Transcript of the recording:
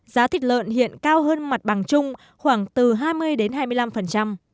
giá thịt lợn hiện cao hơn mặt bằng chung khoảng từ hai mươi đến hai mươi năm